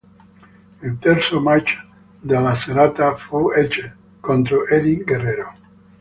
Il terzo match della serata fu Edge contro Eddie Guerrero.